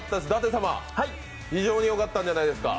舘様、非常によかったんじゃないでしょうか。